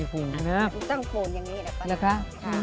ต้องฝุ่นอย่างนี้แหละปะน้า